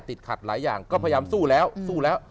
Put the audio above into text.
ติดขัดหลายอย่างก็พยายามสู้แล้ว